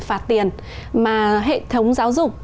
phạt tiền mà hệ thống giáo dục